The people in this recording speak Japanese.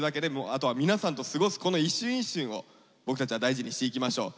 あとは皆さんと過ごすこの一瞬一瞬を僕たちは大事にしていきましょう。